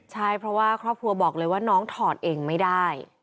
ใช่เพราะว่าครอบครัวบอกเลยว่าน้องถอดเองไม่ได้